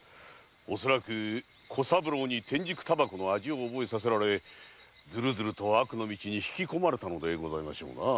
おそらく小三郎に天竺煙草の味を覚えさせられずるずると悪の道に引き込まれたのでございましょうなあ。